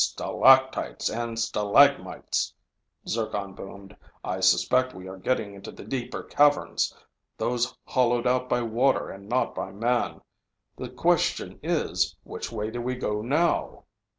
"Stalactites and stalagmites," Zircon boomed. "I suspect we are getting into the deeper caverns, those hollowed out by water and not by man. The question is, which way do we go now?"